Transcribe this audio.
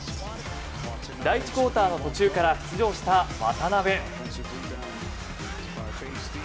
第１クオーターの途中から出場した渡邊。